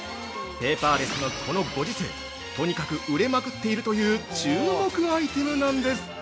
ペーパーレスのこのご時世、とにかく売れまくっているという注目アイテムなんです。